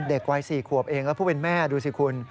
เด็กวัย๔ขวบเองแล้วผู้เป็นแม่ดูสิคุณ